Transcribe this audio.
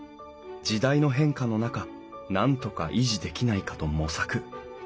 時代の変化の中なんとか維持できないかと模索。